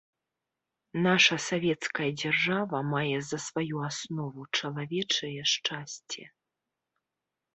Наша савецкая дзяржава мае за сваю аснову чалавечае шчасце.